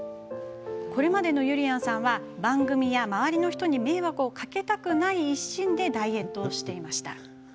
これまでの、ゆりやんさんは番組や周りの人に迷惑をかけたくない一心でダイエットしていました。